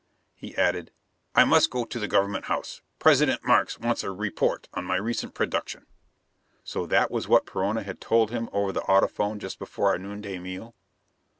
He added. "I must go to the Government House: President Markes wants a report on my recent production." So that was what Perona had told him over the audiphone just before our noonday meal?